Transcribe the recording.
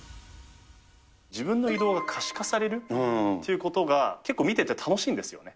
自分の移動が可視化されるということが、結構見てて楽しいんですよね。